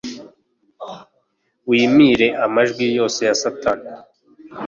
wimire amajwi yose ya satani